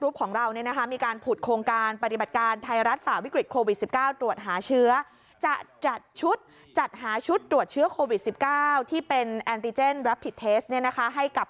โปรดติดตามตอนต่อไป